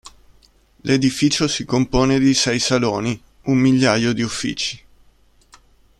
L'edificio si compone di sei saloni, un migliaio di uffici.